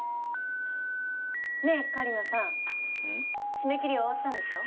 締め切り終わったんでしょ？